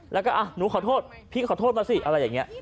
แล้วก็หนูขอโทษพี่ขอโทษมาสิอะไรอย่างนี้